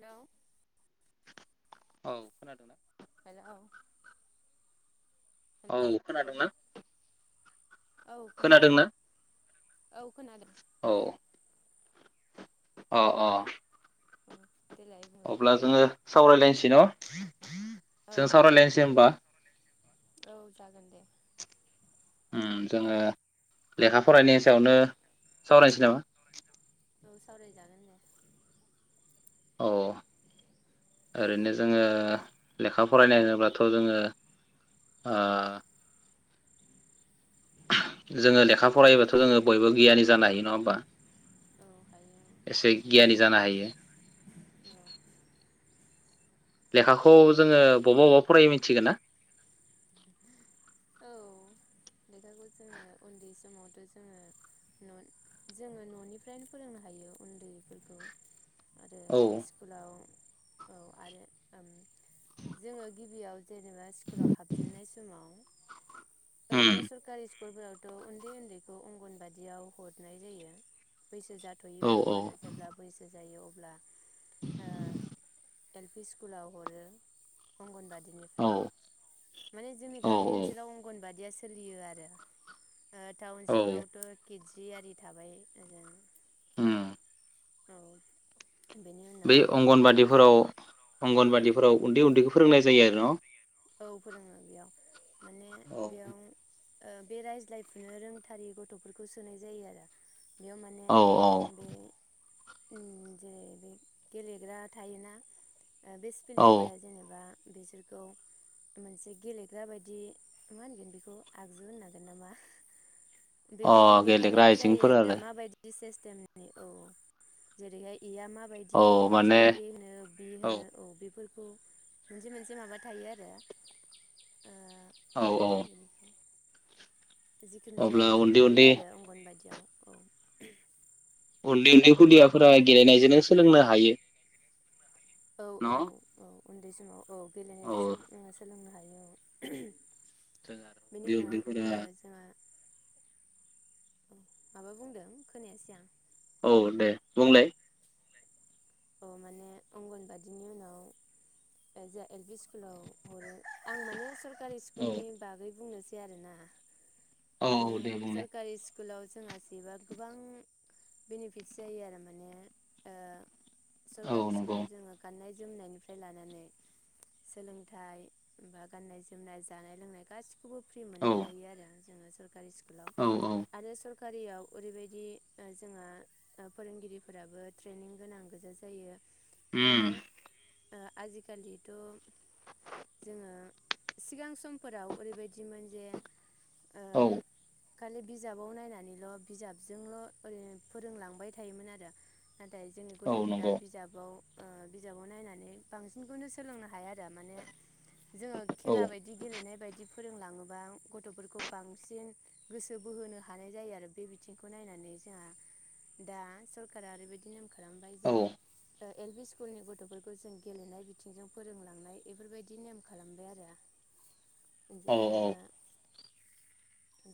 Hello औ खोनादों ना? हेलौ हेलौ औ खोनादोंना औ खोनादों खोनादोंना? औ खोनादों औ अ अ औ देलाय बुंलाय अब्ला जोङो सावरायलायनोसै न औ जों दे सावरायलायनोसै होनबा औ जागोन दे उ जोङो लेखा फरायनायनि सायावनो सावरायनोसै नामा औ सावरायजागोन दे औ ओरैनो जोङो लेखा फरायनाय होनोब्लाथ जोङो अ जोङो लेखा फरायोबथ जोङो बयबो गियानि जानो हायो नङा होमबा औ हायो एसे गियानि जानो हायो लेखाखौ जोङो बबा बबेबा फरायो मिथिगोन ना औ लेखाखौ जोङो उन्दै समावथ जोङो ननि जोङो ननिफ्रायनो फोरोंनो हायो उन्दैफोरखौ आरो औ स्कुलाव औ आरो उ जोङो गिबियाव जेनेबा स्कुलाव हाबजेननाय समाव उम ओरैनो सोरखारि स्कुलफोरावथ उन्दै उन्दैखौ अंगनबादियाव हरनाय जायो बैसो औ जाथयिफोरखौ औ आरो जेब्ला बैसो जायो अ अब्ला अ एल पि स्कुलाव हरो अंगनबादि औ बिनिफ्राय माने जोंनि औ गामि ओन बादिया सोलियो आरो टाउन औ स्कुलावथ गिदजि आरि थाबाय ओजों उ औ बेनि बै उनाव अंगनबादिफोराव औ अंगनबादिफोराव उन्दै उन्दैखौ फोरोंनाय जायो आरो न औ फोरोङो बेयाव माने बेयाव अ बे रायज्लायफुनो रोंथारि गथफोरखौ सोनाय जायो आरो बेयाव माने औ औ बे जे बे गेलेग्रा थायोना बे औ स्फिलिंफोरा जेनेबा बिसोरखौ मोनसे गेलेग्रा बायदि मा होनगोन बेखौ आगजु होननांगोन नामा बेफोरजों अ देखायनाय गेलेग्रा जायो आइजेंफोर आरो माबायदि बिसेस [unintelligible] औ जेरैहाय ए आ माबायदि औ माने माबेखौ ए होनो बि होनो औ बेफोरखौ खौ मोनसे मोनसे माबा थायो आरो [unintelligible] ओ मा औ औ होनगोन एखौ जिखुनुजाया अब्ला बिदि उन्दै थायो उन्दै आरो अंगनबादियाव औ उन्दै उन्दै खुदियाफोरा गेलेनायजोंनो सोलोंनो हायो औ औ न' औ उन्दै समाव औ औ गेलेनायजों सो ओ सोलोंनो हायो औ [unintelligible] जोङो बेनि उन्दै उनाव उन्दैफोरा जोंहा औ माबा बुंदों खोनायासै आं औ दे बुंलाय अ माने अंगनबादिनि उनाव जों एल पि स्कुलाव हरो आं माने सर सरकारि औ स्कुलनि बागै बुंनोसै बे आरोना औ माने औ दे बुंलाय सरकानि स्कुल स्कुलाव जोंहा सोयोबा गोबां बेनिफिटस जायो आरो माने औ सरकारि नंगौ स्कुलाव जोङो गाननाय जोमनायनिफ्राय लानानै सोलोंथाइ बा गाननाय जोमनाय जानाय लोंनाय गासिखौबो खौबो फ्रि औ मोननो हायो आरो जोङो सरकारि स्कुल औ औ सरकारियाव ओरैबायदि ओ जोंहा फोरोंगिरिफोराबो ट्रेनिं गोनां गोजा जा जायो माने होम आजिखालिथ जोङो सिगां समफोराव ओरैबायदिमोन जे ओ औ खालि बिजाबाव नायनानैल' बिजाबजोंल' ओरै फोरोंलांबाय थायोमोन आरो नाथाय जोंनि औ गथ फोरा नंगौ बिजाबाव बिजाबाव नायनानै बांसिनखौनो सोलोंनो हाया आरो जा माने जोङो औ खेला बायदि गेलेनाय बायदि फोरोंलाङोबा गथ'फोरखौ बांसिन गोसो बोहोनो हानाय जायो आरो बे बिथिंखौ नायनानै जोंहा दा सरकारा ओरैबायदि नेम खालामबाय औ दे ओ एल पि स्कुलनि गथ'फोरखौ जों गेलेनाय बिथिंजों फोरोंलांनाय एफोरबायदि नेम खालामबाय आरो औ जे ओ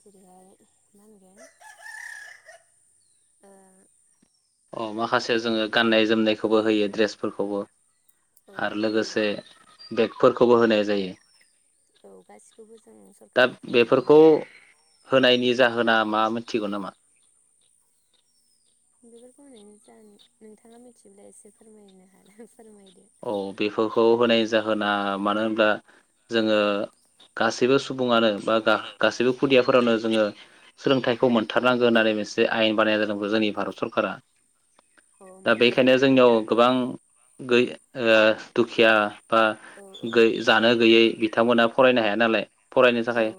जेरैहाय मा होनगोन [unintelligible] अ माखासे जोङो गाननाय जोमनायखौबो होयो ड्रेसफोरखौबो औ आरो लोगोसे होयो बेगफोरखौबो होनाय जायो औ गासिखौबो जों दा सरखारनिफ्राय मोननो हायो होना मा मिथिगौ नामा बेफोरखौ होननो जा नोंथाङा मिथियोब्ला एसे फोरमायनो हाला फोरमायनो औ बेफोरखौ होनाय जाहोना मानो होनब्ला जोङो गासैबो सु सुबुङानो बा गा सुबुङानो गासैबो जेबो खुदियाफोरावनो खुदि जोङो सोलोंथाइ समान थारनांगो होननानै मोनसे आयेन बानायनाय जादोंमोन बो जोंनि भारत सरकारा औ दा माने बेखायनो जोंनियाव गोबां गैय ओ दुखिया बा औ औ गै जानो गैयै बिथांमोना फरायनो हाया नालाय फरायनो थाखाय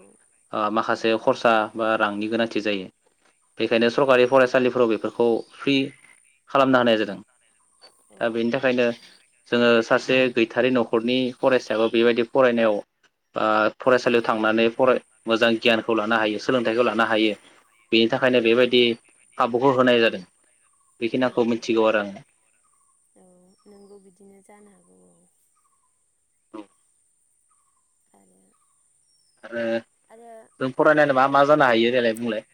उम माखासे उम खरसा बा रांनि गोनांथि जायो औ बेखायनो सरकारि फरायसालिफोराव बेफोरखौ फ्रि खालामना होनाय जादों औ दा बेनि थाखायनो ओ सासे गैथारि न'खरनि फरायसायाबो बेबायदि फरायनायाव ओ फरायसालियाव थांनानै फराय मोजां गियानखौ लानो हायो सोलोंथाइखौ लानो हायो बेनि औ थाखायनो बेबायदि खाबुखौ होनाय जादों बेखिनाखौ औ मिथिगौ आरो आङो औ नोंगौ बिदिनो जानो हागौ औ आङो आरो आरो आरो जों फरायनायनानै मा मा जानो हायो देलाय बुंलाय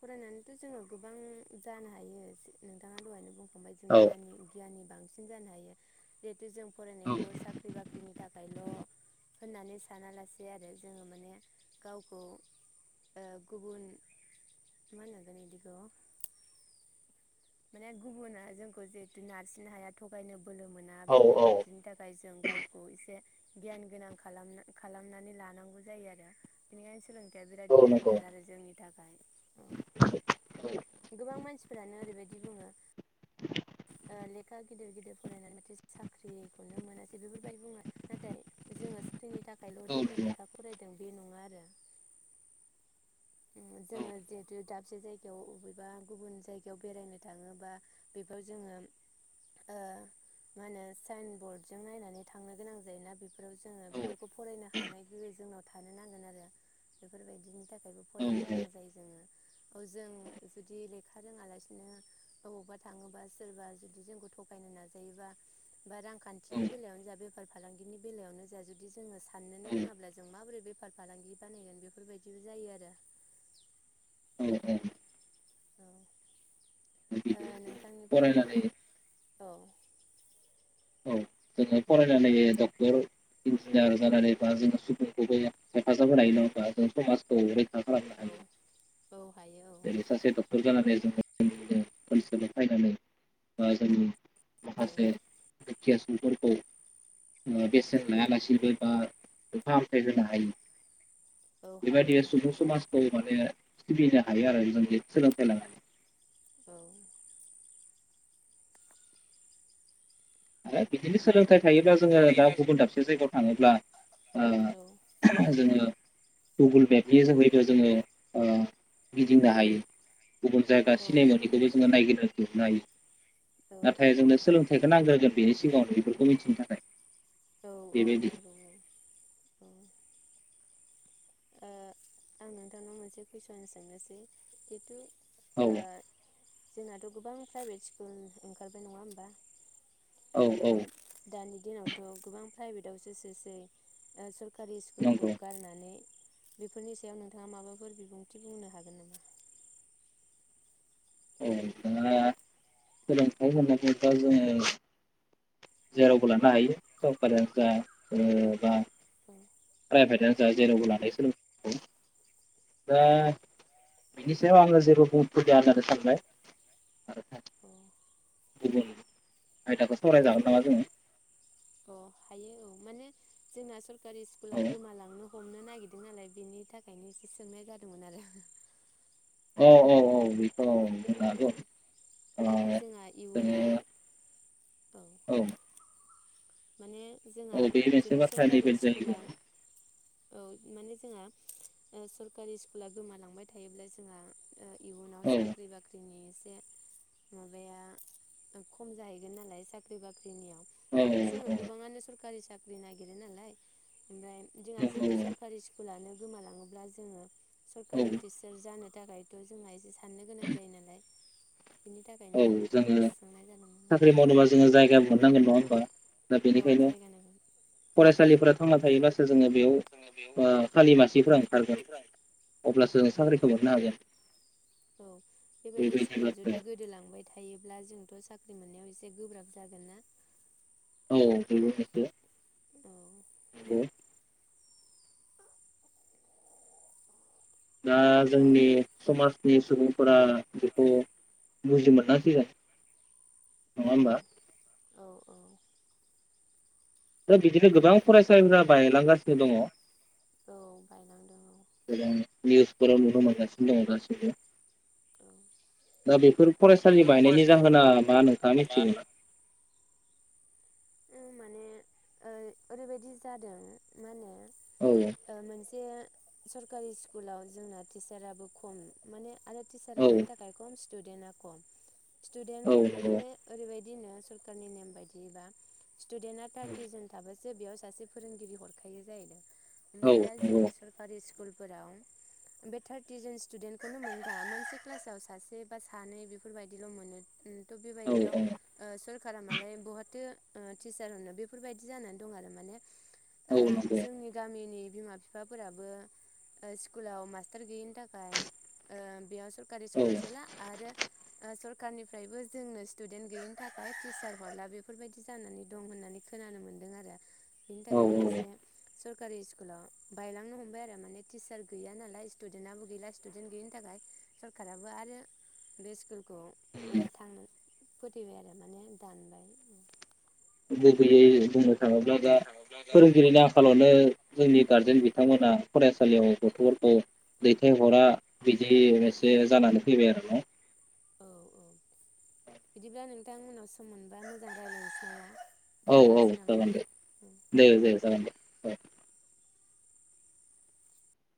फरायनानैथ' जोङो गोबां जानो हायो सि नोंथाङा दहायनो बुंखा बाय जों औ गियानि गियानि बांसि बांसिन जानो हायो जों फरायनायखौ साख्रि बाख्रिनि थाखायल' होननानै सानालासे [unintelligible] माने गुबुना जोंखौ जिहेतु नारसिननो हाया थगायनो बोलो मोना औ औ बेफोरबायदिनि थाखाय जों गावखौ एसे गियान गोनां खालामनानै लानांगौ जायो आरो बेनिखायनो सोलों बिराद औ नंगौ गोनांथार औ आरो जोंनि थाखाय औ औ गोबां मानसिफोरानो ओरैबायदि [unintelligible] ओ [unintelligible] [unintelligible] बे नङा औ आरो जोङो जिहेतु दाबसे जायगायाव अबेबा गुबुन जायगायाव बेरायनो थाङोबा बेफोर जोङो ओ‌ मा होनो साइन बरर्डजों नायनानै थांनो गोनां जायोना बेफोर फोराव जोङो बेफोरखौ फरायनो हानाय गोहो जोंनाव थानो नांगोन आरो बेफोरबायदिनि थाखाय औ फरायनो गोनां जायो जोङो औ जों जुदि लेखा रोङालासिनो अबावबा थाङोबा सोरबा जुदि जोंखौ थगायनो नाजायोबा बा रांखान्थिनि बेलायावनो जाबाय बेफार फालांगिनि बेलायावनो जाया जुदि जोङो साननो रोङाब्ला जों माबोरै बे बेफार फालांगि बानायगोन बेफोरबायदिबो जायो आरो [unintelligible] औ ओ औ नोंथांनिफ्राय फरायनानै औ औ जोङो फरायनानै डक्टर इन्जिनियार जानानैबा जोङो सुबुंखौबो हेफाजाब होनाय नङाजों समाजखौै औ औ हायो [unintelligible] सासे डक्टर जानानै जों [unintelligible] औ मासे [unintelligible] बेसेन औ लायालासिबो बा फाहामथाय होनो हायो औ हायो बेबायदिया औ सुबुं‌ समाजखौ माने सिबिनो हायो आरो जों सोलोंथाय लाया [unintelligible] आ बिदिनो थायोब्ला जोङो दा गुबुन दाबसे जायगायाव थाङोब्ला ओ जों जोङो गुगोल मेपनि जोहैबो जोङो गिदिंनो हायो गुबुन जायगा औ सिनायमोनिखौबो जोङो नायगिरो गुदि नाइथ औ नाथाय जोंनो सोलोंथाइखौ नांग्रोगोन बेनि सिगाङावनो बेफोरखौ मिथिनो थाखाय औ औ बेबायदि नांगौ औ ओ आं नोंथांनाव मोनसे कुइसन सोंनोसै जितु औ ओ जोंनाथ' गोबां प्राइभेट स्कुल ओंखारबाय नङा होमबा औ औ ओ दानि दिनावथ' गोबां प्राइभेटावसो सोसै सरकारि स्कुलखौ नंगौ गारनानै बेफोरनि सायाव नोंथाङा माबाफोर बिबुंथि बुंनो हागोन नामा औ जोंहा सोलोंथाइ होननायबा जोङो जेरावबो लानो हायो सरकारियानो जा बा औ प्राइभेटनो जा जेरावबो लानाय सोलोंथायखौ दा बिनि सायाव आङो जेबो बुहुदलिया होननानै सानबाय आरो औ गुबुन आयदाखौ सावरायजागोन नामा जोङो अ हायो औ माने जोंना सब सोरकारि स्कुला गोमालांनो हमनो नागिरदों नालाय बेनि थाखायनो एसे सोंनाय जादोंमोन आरो हो हो औ औ औ बुंनो औ हागौ ओ माने जोङो जोंहा इयुनाव औ माने जोंहा औ बे मोनसे जुदि बाथ्रा नैबे सरकारि स्कुला जाहैगोन औ माने जोंहा सरकारि स्कुला गोमालांबाय थायोब्ला जोंहा ओ इयुनाव औ साख्रि बाख्रिनि ए माबाया खम जाहैगोन नालाय साख्रि बाख्रि औ माने जोङो गोबाङानो सरकारि साख साख्रि नागिरो नालाय ओमफ्राय जोङा जुदि औ सरकारि स्कुलानो गोमालाङोब्ला जोङो औ सरकारि टिचार जानो थाखायथ जोंहा एसे साननो गोनां जायो नालाय बिनि थाखायनो औ जोङो सोंनाय जादोंमोन साख्रि औ मावनोबा जोङो जायगा मोननांगोन नङा होनोमबा दा औ बेनिखायनो जायगा नांगोन फरायसालिफोरा थांना थायोब्लासो जोङो बेयाव खालि मासिफोरा ओंखारगोन अब्लासो जों औ साख्रिखौ मोननो हागोन औ बेबायदि स्कुला बेबायदिब्लाथो जुदि गोदोलांबाय थायोब्ला जोंथ' साख्रि मोननायाव एसे गोब्राब जागोन ना [unintelligible] औ औ दा हेल' जोंनि औ समाज नि सुबुंफोरा बेखौ बुजि मोनासैगोन औ औ दा बिदिनो गोबां फरायसालिफोरा बायलांगासिनो औ बायलांदों औ दङ निउस औ [unintelligible] दा बेफोर फरायसालि बेफोर बायनायनि फरायसा जाहोना मा नोंथाङा लानानै मिथिगौ औ माने ओ-ओरैबायदि जादों मा होनो औ ओ मोन ओ सरकारि स्कुलाव जोंना टिचाराबो खम माने आरो टिसारा औ मानि थाखाय खम स्टुडेन्टआ खम औ स्टुदेन्ट नंगौ माने ओरैबायदि [unintelligible] स्टुडेटा थार्टिजेन थाबाय जे बेयाव सासे फोरोंगिरि हरखायो जाहैदों औ ओमफ्राय दा नंगौ जोंनि सरकारि स्कुल फोराव बेटारटिजन स्टुडेन्टखौनो मोनबा मोनसे क्लासाव सासे बा सानै बेफोरबायाददिल' मोनो [unintelligible] थ औ बेबायदियाव ओ सोरखारा मालाय बहाथो ओ टिचार होनो बेफोरबायदि जानानै दं आरो माने ओ नंगौ जोंनि गामिनि बिमा बिफाफोराबो ओ स्कुलाव मास्टार गैयिनि थाखाय ओ बेयाव सरकारि औ स्कुलाव सेरला आरो ओ सरखारारनिफ्रायबो जोंनो स्टुदेन्ट गैयिनि थाखाय टिचार हरला बेफोरबायदि बिदि जानानै दं होननानै खोनानो मोन्दों आरो बेनि औ थाखायनो एसे सरकारि स्कुलाव बायलांनो हमबाय आरो माने टिचार गैया नालाय स्टुदेन्टआबो गैला स्टुदेन्ट गैयिनि थाखाय सरखाराबो आरो बे स्कुलखौ ओ थांनो फोथैबाय आरो माने दानबाय [unintelligible] दा दा फोरोंगिरि न आथिखालावनो जोंनि गारजेन बिथांमोना फरायसालियाव गथ'फोरखौ दैथायहरा बिदि एसे जानानै फैबाय आरो ना औ औ बिदिब्ला नोंथां उनाव सम मोनबा मोजां रायलायनोसै ना? औ औ जागोन दे दे दे जागोन दे।